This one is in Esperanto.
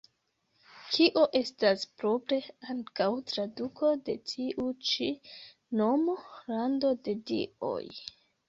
Kio estas propre ankaŭ traduko de tiu ĉi nomo: "Lando de dioj".